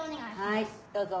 はいどうぞ。